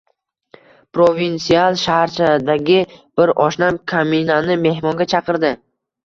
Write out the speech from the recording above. Provinsial shaharchadagi bir oshnam kaminani mehmonga chaqirdi